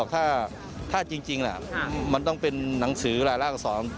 ถ้าจริงน่ะมันต้องเป็นหนังสือล่ารากษ์ออกสรรค์